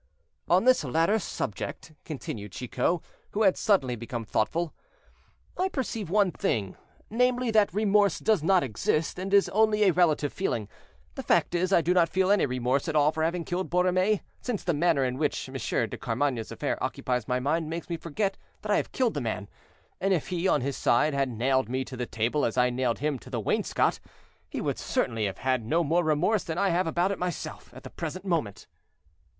"On this latter subject," continued Chicot, who had suddenly become thoughtful, "I perceive one thing; namely, that remorse does not exist, and is only a relative feeling; the fact is, I do not feel any remorse at all for having killed Borromée, since the manner in which Monsieur de Carmainges' affair occupies my mind makes me forget that I have killed the man; and if he, on his side, had nailed me to the table as I nailed him to the wainscot, he would certainly have had no more remorse than I have about it myself, at the present moment."